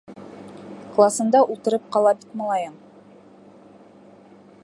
- Класында ултырып ҡала бит малайың.